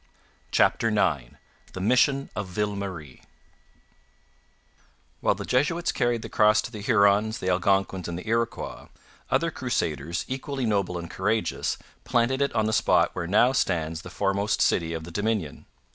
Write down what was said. CHAPTER IX THE MISSION OF VILLE MARIE While the Jesuits carried the Cross to the Hurons, the Algonquins, and the Iroquois, other crusaders, equally noble and courageous, planted it on the spot where now stands the foremost city of the Dominion.